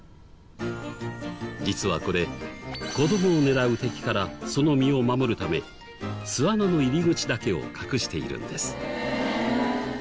実はこれ子供を狙う敵からその身を守るため巣穴の入り口だけを隠しているんです。